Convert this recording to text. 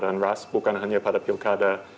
dan ras bukan hanya pada pilkada